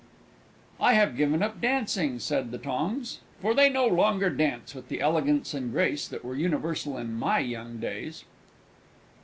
"I have given up dancing," said the Tongs, "for they no longer dance with the Elegance and Grace that were universal in my young days!"